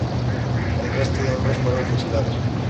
El resto de hombres fueron fusilados.